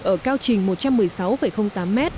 ở cao trình một trăm một mươi sáu tám m